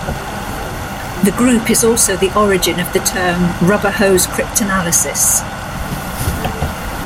The group is also the origin of the term, "Rubber-hose cryptanalysis".